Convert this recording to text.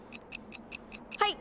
はい！